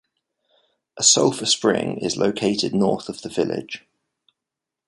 A sulfur spring is located north of the village.